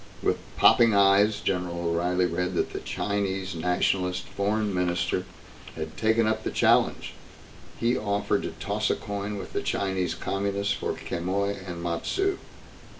With popping eyes, General O'Reilly read that the Chinese Nationalist Foreign Minister had taken up the challenge. He offered to toss a coin with the Chinese Communists for Quemoy and Matsu!